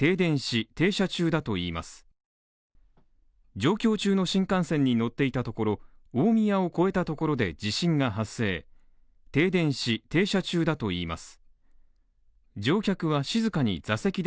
上京中の新幹線に乗っていたところ大宮を超えたところで停電し、停車中だといいます。